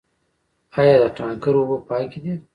آیا د تانکر اوبه پاکې دي؟